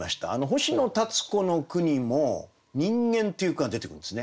星野立子の句にも「人間」っていう句が出てくるんですね。